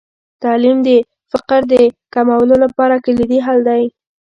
تعلیم د فقر د کمولو لپاره کلیدي حل دی.